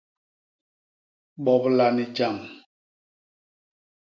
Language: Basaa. Bobla ni jam.